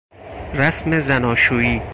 رسم زناشویی